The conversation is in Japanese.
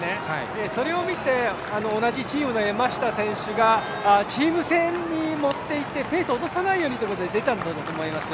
それを見て同じチームの山下選手がチーム戦に持っていってペースを落とさないということで出たんだと思います。